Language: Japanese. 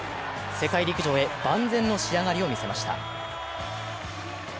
世界陸上へ万全の仕上がりを見せました。